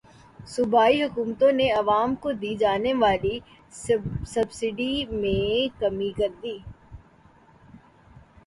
صوبائی حکومتوں نے عوام کو دی جانے والی سبسڈی میں کمی کردی